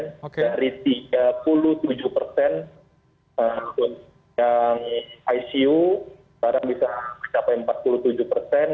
dari tiga puluh tujuh persen yang icu sekarang bisa mencapai empat puluh tujuh persen